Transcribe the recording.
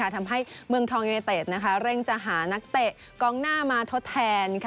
ทำให้เมืองทองยูเนเต็ดเร่งจะหานักเตะกองหน้ามาทดแทน